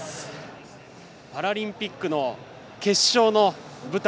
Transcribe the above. パラリンピックの決勝の舞台。